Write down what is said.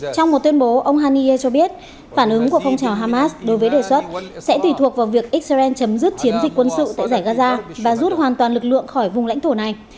trong một tuyên bố ông haniye cho biết phản ứng của phong trào hamas đối với đề xuất sẽ tùy thuộc vào việc israel chấm dứt chiến dịch quân sự tại giải gaza và rút hoàn toàn lực lượng khỏi vùng lãnh thổ này